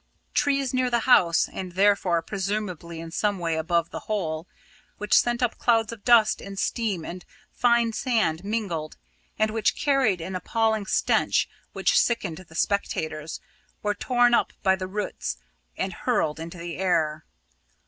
Trees near the house and therefore presumably in some way above the hole, which sent up clouds of dust and steam and fine sand mingled, and which carried an appalling stench which sickened the spectators were torn up by the roots and hurled into the air.